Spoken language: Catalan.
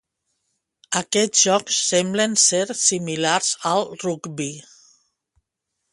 Aquests jocs semblen ser similars al rugbi.